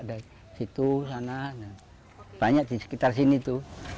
di situ di sana banyak di sekitar sini tuh